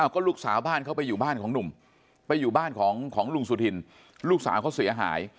ก็ลูกสาวบ้านเขาไปอยู่บ้านของหนุ่มไปอยู่บ้านของลุงสุธินลูกสาวเขาเสียหาย